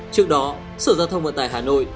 trước đó sở giao thông vận tải hà nội